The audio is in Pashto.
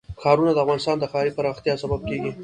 ښارونه د افغانستان د ښاري پراختیا سبب کېږي.